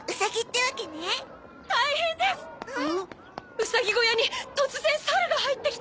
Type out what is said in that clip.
ウサギ小屋に突然猿が入ってきて。